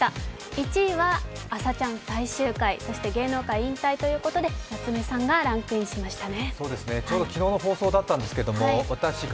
１位は「あさチャン！」最終回、そして芸能界引退ということで夏目さんがランクインしましたね。